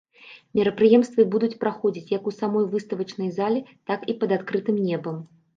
Мерапрыемствы будуць праходзіць, як у самой выставачнай зале, так і пад адкрытым небам.